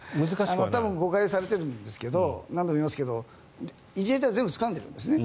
多分誤解されているんですけど何度も言いますけどイージス艦では全部つかんでるんですね。